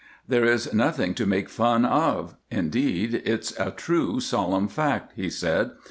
"There is nothing to make fun of; indeed, it's a true, solemn fact," he said.